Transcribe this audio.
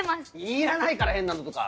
いらないから変なのとか！